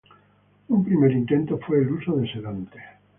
Un primer intento fue el uso de sedantes.